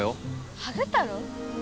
ハグ太郎？